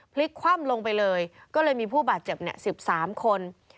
พลิกคว่ำลงไปเลยก็เลยมีผู้บาดเจ็บ๑๓คน